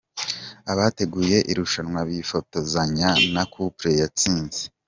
Abateguye irushanwa bifotozanya na couple yatsinze